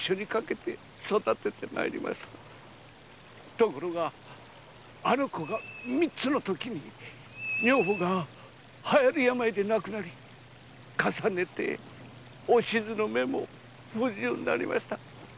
ところがあの子が三つのときに女房がハヤリ病で亡くなり重ねてお静の目も不自由になりました